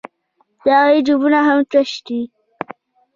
د هغې جېبونه هم تش دي